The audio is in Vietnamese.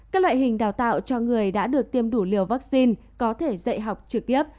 các loại hình đào tạo cho người đã được tiêm đủ liều vaccine có thể dạy học trực tiếp